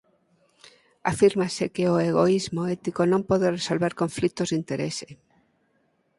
Afírmase que o egoísmo ético non pode resolver conflitos de interese.